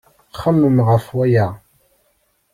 Xemmemen ɣef waya.